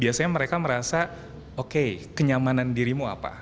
biasanya mereka merasa oke kenyamanan dirimu apa